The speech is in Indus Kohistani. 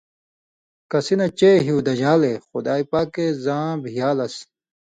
کسی نہ چے ہیُو دژان٘لے (خدائ پاکے) زاں بِھیالس؛